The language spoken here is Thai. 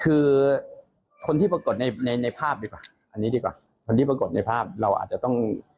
คือคนที่ปรากฏในในภาพดีกว่าอันนี้ดีกว่าคนที่ปรากฏในภาพเราอาจจะต้อง